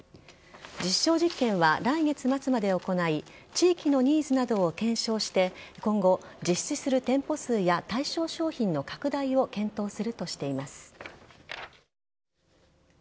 実証実験は来月末まで行い、地域のニーズなどを検証して、今後、実施する店舗数や対象商品の拡大を検討するとしています。